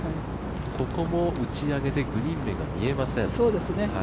ここも打ち上げでグリーン面が見えません。